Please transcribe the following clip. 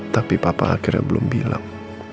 tapi papa akhirnya belum bilang